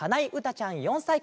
ちゃん４さいから。